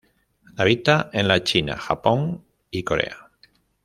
Habita en la China, Japón y Corea.